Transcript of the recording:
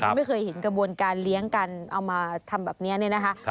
ไม่เคยเห็นกระบวนการเลี้ยงกันเอามาทำแบบนี้เนี่ยนะคะ